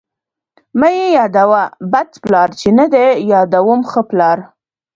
ـ مه مې يادوه بد پلار، چې نه دې يادوم ښه پلار.